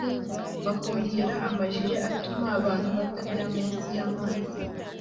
bakongera amajile atuma abantu batajya munsi y’amazi